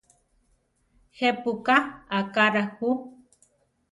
Jepú ka akará jú?